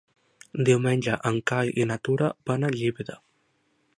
Diumenge en Cai i na Tura van a Llívia.